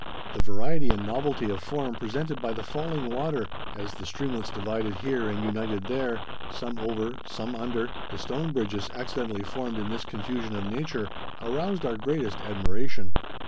The variety and novelty of form presented by the falling water, as the streamlets divided here and united there, some over, some under, the stone bridges accidentally formed in this confusion of nature, aroused our greatest admiration.